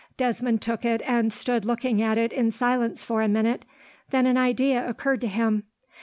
Desmond took it, and stood looking at it in silence for a minute. Then an idea occurred to him.